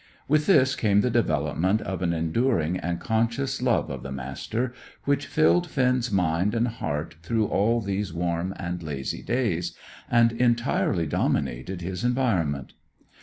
With this came the development of an enduring and conscious love of the Master, which filled Finn's mind and heart through all these warm and lazy days, and entirely dominated his environment.